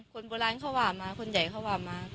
ครับ